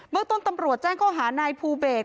เมืองต้นตำรวจแจ้งข้อหานายภูเบศ